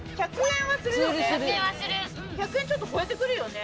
１００円ちょっと超えてくるよね。